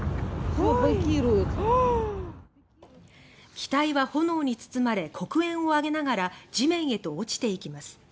機体は炎に包まれ黒煙を上げながら地面へと墜ちていきます。